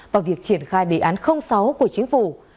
và việc triển khai đề án sáu của chính phủ